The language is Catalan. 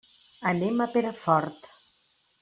Anem a Perafort.